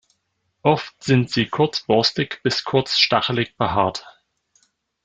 Oft sind sie kurz borstig bis kurz stachelig behaart.